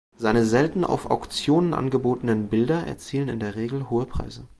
Seine selten auf Auktionen angebotenen Bilder erzielen in der Regel hohe Preise.